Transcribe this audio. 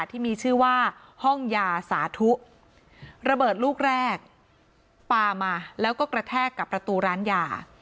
ที่มีชื่อว่าห้องยาสาธุระเบิดลูกแรกปามาแล้วก็กระแทกกับประตูร้านยา